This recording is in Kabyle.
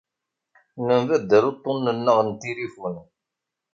Nembaddal uṭṭunen-nneɣ n tilifun.